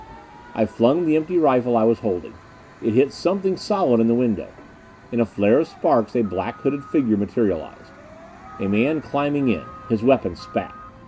I flung the empty rifle I was holding. It hit something solid in the window; in a flare of sparks a black hooded figure materialized. A man climbing in! His weapon spat.